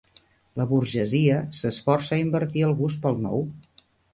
La burgesia s'esforça a invertir el gust pel nou.